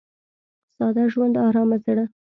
• ساده ژوند، ارامه زړه.